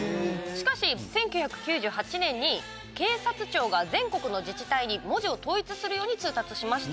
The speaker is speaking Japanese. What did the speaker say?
しかし１９９８年に警察庁が全国の自治体に文字を統一するように通達しました。